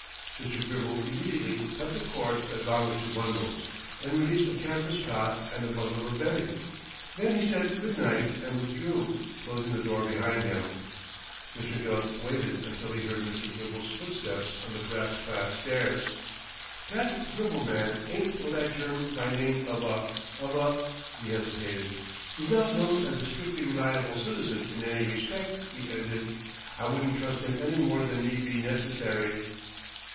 Mr. Gribble immediately cut the cords that bound the two bundles, and released a canvas cot and a bundle of bedding. Then he said good night and withdrew, closing the door behind him. Mr. Gubb waited until he heard Mr. Gribble's footsteps on the brass clad stairs. "That Gribble man ain't what I'd term by name of a of a " He hesitated. "He's not known as a strictly reliable citizen in any respect," he ended. "I wouldn't trust him any more than need be necessary."